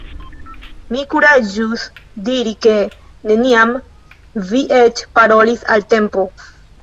Mi kuraĝus diri ke neniam vi eĉ parolis al Tempo?